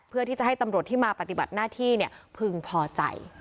เพื่อที่จะให้ตำรวจที่มาปฏิบัติหน้าที่พึงพอใจ